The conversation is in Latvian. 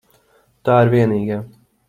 Tā ir vienīgā.